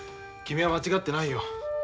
君は間違ってないよ。